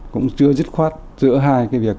cũng chưa dứt khoát giữa hai cái việc